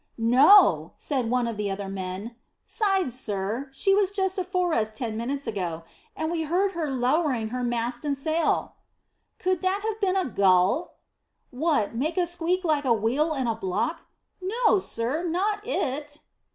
"No," said one of the other men. "'Sides, sir, she was just afore us ten minutes ago, and we heard her lowering down her mast and sail." "Could that have been a gull?" "What, make a squeal like a wheel in a block? No, sir, not it."